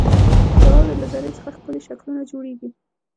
• د واورې له ذرې څخه ښکلي شکلونه جوړېږي.